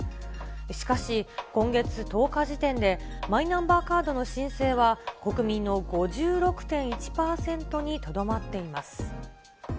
しかし、今月１０日時点でマイナンバーカードの申請は国民の５６．１％にとどまっています。